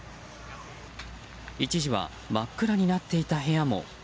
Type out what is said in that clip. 一時は真っ暗になっていた部屋も。